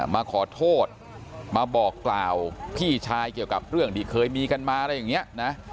มาขอโทษมาบอกกล่าวพี่ชายเกี่ยวกับเรื่องที่เคยมีกันมาอะไรอย่างนี้นะ